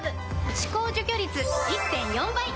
歯垢除去率 １．４ 倍！